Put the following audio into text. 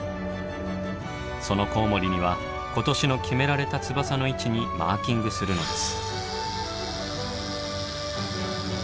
そのコウモリには今年の決められた翼の位置にマーキングするのです。